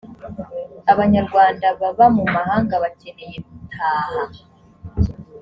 abanyarwanda baba mu mahanga bakeneye butaha